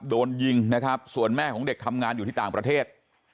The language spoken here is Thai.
โดนยิงนะครับส่วนแม่ของเด็กทำงานอยู่ที่ต่างประเทศ